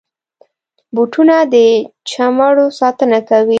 بوټونه د چمړو ساتنه کوي.